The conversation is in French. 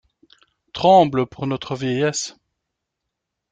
Tremble pour notre vieillesse.